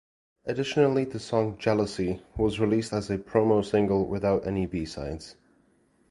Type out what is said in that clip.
Additionally, the song "Jealousy" was released as a promo single, without any B-sides.